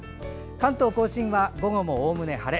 関東・甲信は午後もおおむね晴れ。